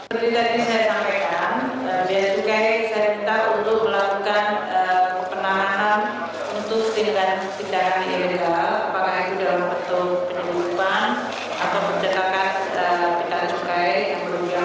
perti tadi saya sampaikan bea cukai sering kita untuk melakukan penahanan